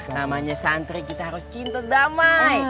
namanya santri kita harus cinta damai